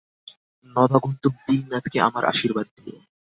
নবাগন্তুক দীননাথকে আমার আশীর্বাদ দিও।